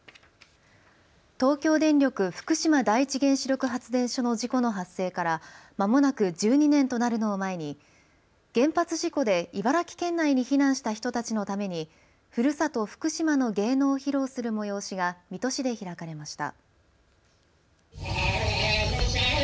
東京電力福島第一原子力発電所の事故の発生からまもなく１２年となるのを前に原発事故で茨城県内に避難した人たちのためにふるさと福島の芸能を披露する催しが水戸市で開かれました。